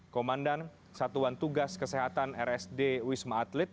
komandan satuan tugas kesehatan rsd wisma atlet